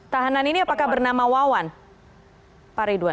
tahanan ini apakah bernama wawan pak ridwan